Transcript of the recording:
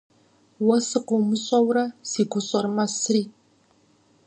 Уэ сыкъыумыщӀэурэ си гущӀэр мэсри.